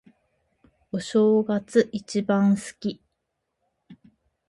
お正月、一番好き。